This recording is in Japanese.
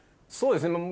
そうですね